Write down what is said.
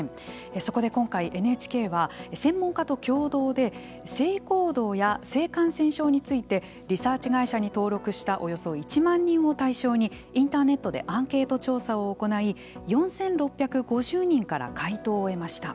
そこで今回、ＮＨＫは専門家と共同で性行動や性感染症についてリサーチ会社に登録したおよそ１万人を対象にインターネットでアンケート調査を行い４６５０人から回答を得ました。